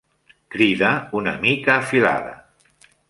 Crida una mica afilada.